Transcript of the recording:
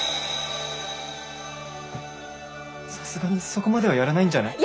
さすがにそこまではやらないんじゃない？